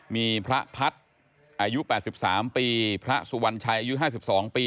มีพระพัฒน์อายุ๘๓ปีพระสุวรรณชัยอายุ๕๒ปี